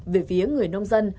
về phía người nông dân